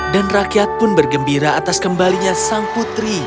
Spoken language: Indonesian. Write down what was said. dan rakyat pun bergembira atas kembalinya sang putri